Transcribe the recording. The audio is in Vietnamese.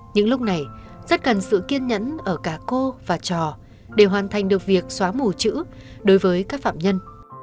những lúc này rất cần sự kiên nhẫn ở cả cô và trò để hoàn thành được việc xóa mù chữ đối với các phạm nhân